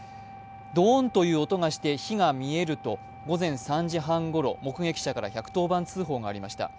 ドーンという音がして火が見えると午前３時半ごろ、目撃者から１１０番通報がありました。